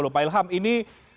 pak ilham ini